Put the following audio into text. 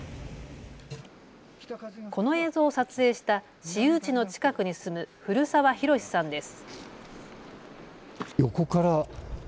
この映像を撮影した市有地の近くに住む古沢弘さんです。